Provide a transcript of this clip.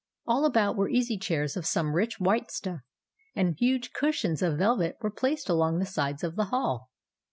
All about were easy chairs of some rich white stuff ; and huge cushions of velvet were placed along the sides of the hall.